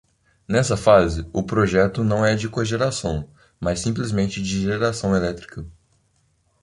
Nesta fase, o projeto não é de cogeração, mas simplesmente de geração elétrica.